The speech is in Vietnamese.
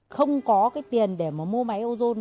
không có tiền để mua máy ô rôn